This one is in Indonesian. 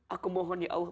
aku mohon ya allah